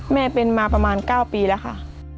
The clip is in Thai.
แม่เป็นมาประมาณ๙ปีแล้วค่ะ